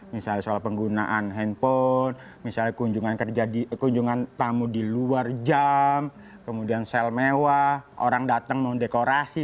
misalnya soal penggunaan handphone misalnya kunjungan tamu di luar jam kemudian sel mewah orang datang mendekorasi